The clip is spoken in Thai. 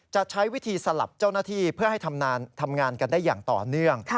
จะใช้วิธีสลับเจ้าหน้าที่เพื่อให้ทำงานกันได้อย่างต่อเนื่อง